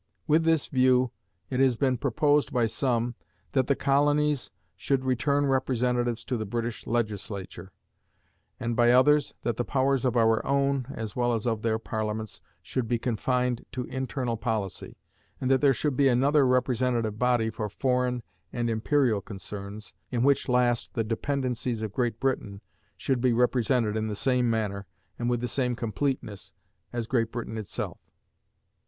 With this view it has been proposed by some that the colonies should return representatives to the British Legislature, and by others that the powers of our own, as well as of their Parliaments, should be confined to internal policy, and that there should be another representative body for foreign and imperial concerns, in which last the dependencies of Great Britain should be represented in the same manner, and with the same completeness as Great Britain itself.